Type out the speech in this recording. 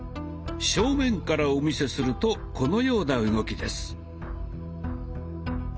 正面からお見せするとこのような動きです。